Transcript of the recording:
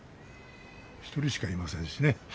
１人しかいませんしね。